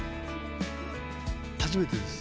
初めてです。